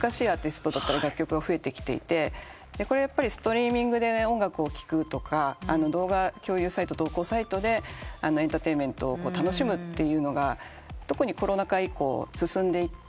これはストリーミングで音楽を聴くとか動画共有サイト投稿サイトでエンターテインメントを楽しむというのが特にコロナ禍以降進んでいって。